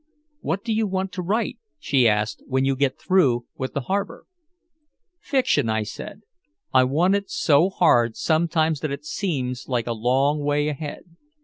"What do you want to write," she asked, "when you get through with the harbor?" "Fiction," I said. "I want it so hard sometimes that it seems like a long way ahead.